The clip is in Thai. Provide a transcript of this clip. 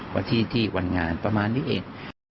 วันที่วันงานประมาณนี้เอง